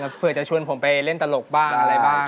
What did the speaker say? แล้วเฟิร์สจะชวนผมไปเล่นตลกบ้างอะไรบ้าง